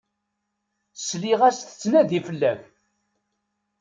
Sliɣ-as tettnadi fell-ak.